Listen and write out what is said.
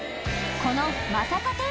このまさか天